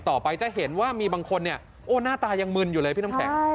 ต่อไปจะเห็นว่ามีบางคนเนี่ยโอ้หน้าตายังมึนอยู่เลยพี่น้ำแข็ง